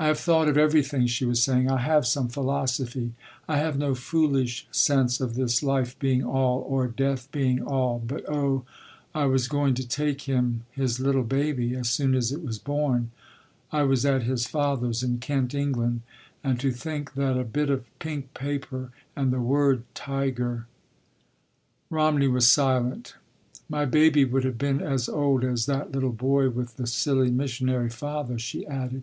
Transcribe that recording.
"I have thought of everything," she was saying. "I have some philosophy. I have no foolish sense of this life being all—or death being all, but, oh, I was going to take him his little baby—as soon as it was born. I was at his father’s in Kent, England. And to think that a bit of pink paper and the word _tiger_—" Romney was silent. "My baby would have been as old as that little boy with the silly missionary father," she added.